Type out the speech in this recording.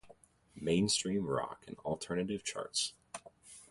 Mainstream Rock and Alternative charts.